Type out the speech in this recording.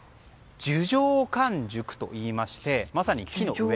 樹上完熟といいましてまさに木の上。